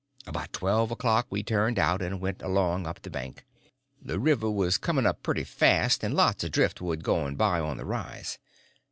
About twelve o'clock we turned out and went along up the bank. The river was coming up pretty fast, and lots of driftwood going by on the rise.